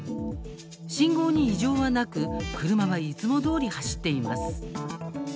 信号に異常はなく車はいつもどおり走っています。